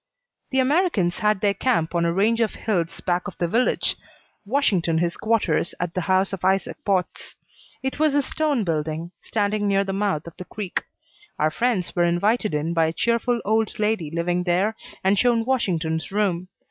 The Americans had their camp on a range of hills back of the village, Washington his quarters at the house of Isaac Potts. It was a stone building standing near the mouth of the creek. Our friends were invited in by a cheerful old lady living there, and shown Washington's room.